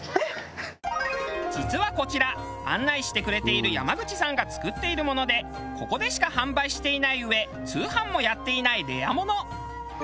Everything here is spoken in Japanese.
実はこちら案内してくれている山口さんが作っているものでここでしか販売していないうえ通販もやっていないレアもの。